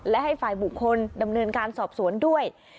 และให้ฝ่ายบุคคลดำเนินการสอบสวนด้วย